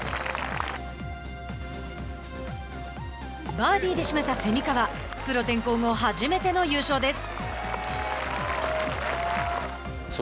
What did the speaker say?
バーディーで締めた蝉川プロ転向後、初めての優勝です。